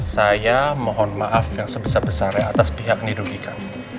saya mohon maaf yang sebesar besarnya atas pihak ini dirugikan